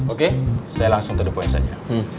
oke saya langsung terdepoin saja